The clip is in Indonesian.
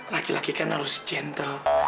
laki laki kan harus gentle